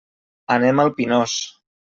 Anem al Pinós.